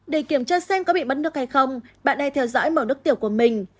để kiểm tra xem có bị mất nước hay không bạn ai theo dõi màu nước tiểu của mình